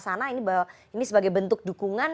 sana ini sebagai bentuk dukungan